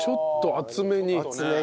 厚めに。